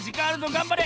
がんばれ！